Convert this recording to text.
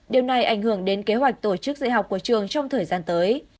điều này ảnh hưởng đến kế hoạch tổ chức dạy học của trường trong thời gian tới